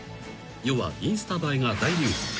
［世はインスタ映えが大流行］